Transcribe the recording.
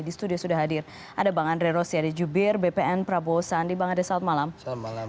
di studio sudah hadir ada bang andre rosyadi jubir bpn prabowo sandi bang andre salam malam